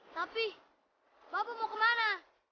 tapi bapak mau kemana